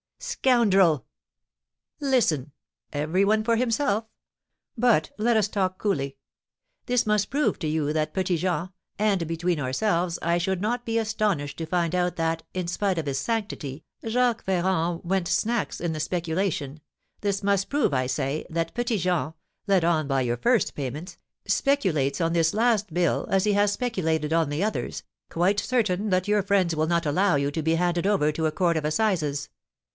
"Scoundrel!" "Listen: every one for himself; but let us talk coolly. This must prove to you that Petit Jean (and, between ourselves, I should not be astonished to find out that, in spite of his sanctity, Jacques Ferrand went snacks in the speculation), this must prove, I say, that Petit Jean, led on by your first payments, speculates on this last bill, as he has speculated on the others, quite certain that your friends will not allow you to be handed over to a court of assizes.